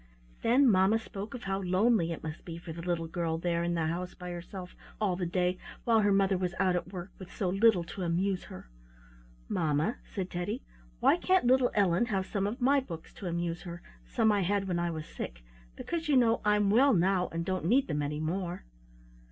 Then mamma spoke of how lonely it must be for the little girl there in the house by herself all the day, while her mother was out at work, with so little to amuse her. "Mamma," said Teddy, "why can't little Ellen have some of my books to amuse her— some I had when I was sick? Because, you know, I'm well now, and don't need them any more."